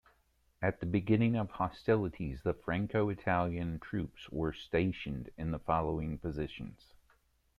At the beginning of hostilities, the Franco-Italian troops were stationed in the following positions.